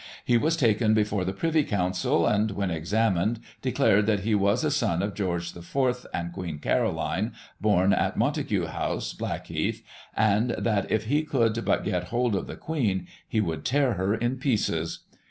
He was taken before the Privy Council, and when examined, declared that he was a son of George IV. and Queen Caroline, bom at Montague House, Blackheath, and that, if he could but get hold of the Queen, he would tear her in pieces.